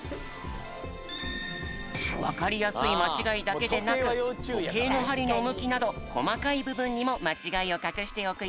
わかりやすいまちがいだけでなくとけいのはりのむきなどこまかいぶぶんにもまちがいをかくしておくよ。